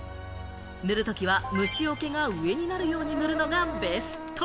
塗るときは虫よけが上になるように塗るのがベスト。